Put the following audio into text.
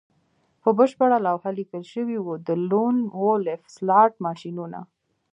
په بشپړه لوحه لیکل شوي وو د لون وولف سلاټ ماشینونه